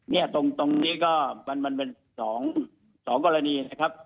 เนี่ยตรงนี้ก็มันเป็น๒กรณีนะครับ